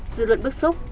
dự luận bức xúc